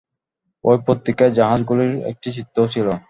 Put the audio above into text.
ঐ পত্রিকায় জাহাজগুলির একটি চিত্রও ছিল।